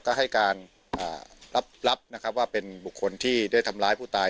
ก็ให้การรับนะครับว่าเป็นบุคคลที่ได้ทำร้ายผู้ตาย